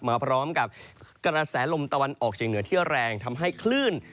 มาพร้อมกับกระแสลมตะวันออกเฉียงเหนือที่แรงทำให้คลื่น